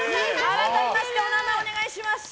改めまして、お名前をお願いします。